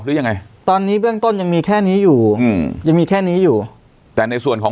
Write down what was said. หรือยังไงตอนนี้เบื้องต้นยังมีแค่นี้อยู่อืมยังมีแค่นี้อยู่แต่ในส่วนของ